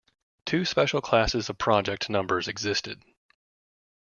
Two special classes of project numbers existed.